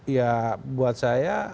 ya buat saya